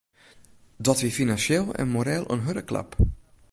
Dat wie finansjeel en moreel in hurde klap.